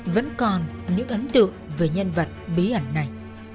vẫn còn những ấn tượng về nhân vật bí ẩn này